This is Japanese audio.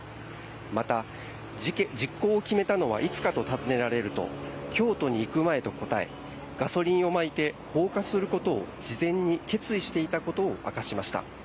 また、実行を決めたのはいつかと尋ねられると京都に行く前と答えガソリンをまいて放火することを事前に決意していたことを明かしました。